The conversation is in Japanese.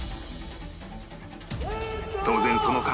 当然その間